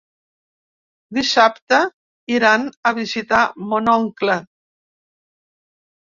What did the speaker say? Dissabte iran a visitar mon oncle.